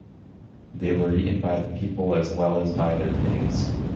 They were eaten by the people as well as by their pigs.